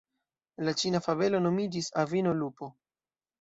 La ĉina fabelo nomiĝis "Avino Lupo".